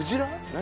何？